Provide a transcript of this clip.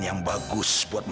saya mau sasarkan